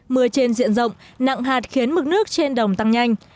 mưa trên diện rộng nặng hạt khiến mực nước trên đồng tăng nhanh